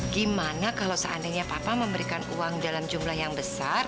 gimana kalau seandainya papa memberikan uang dalam jumlah yang besar